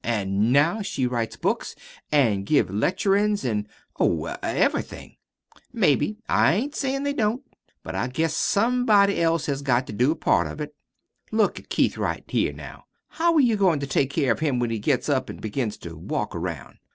An' now she writes books an' gives lecturin's, an', oh, ev'rything." "Maybe. I ain't sayin' they don't. But I guess somebody else has to do a part of it. Look at Keith right here now. How are you goin' to take care of him when he gets up an' begins to walk around?